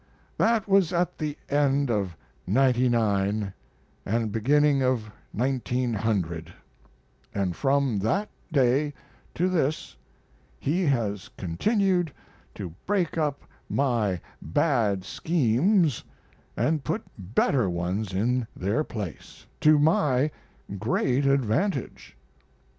That was at the end of '99 and beginning of 1900; and from that day to this he has continued to break up my bad schemes and put better ones in their place, to my great advantage.